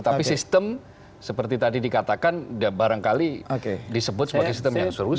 tapi sistem seperti tadi dikatakan barangkali disebut sebagai sistem yang serius